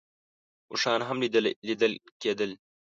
اوښان هم لیدل کېدل.